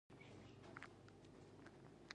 عمرا خان د اسمار له لارې جلال آباد ته ورسېد.